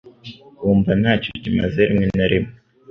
wumva ntacyo ukimaze rimwe na rimwe